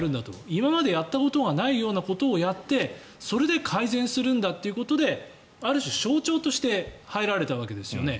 今までやったことがないことをやってそれで改善するんだということである種、象徴として入られたわけですよね。